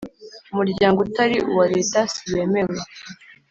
umuryango utari uwa Leta siwemewe